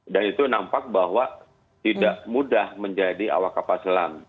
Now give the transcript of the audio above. dan itu nampak bahwa tidak mudah menjadi awak kapal selam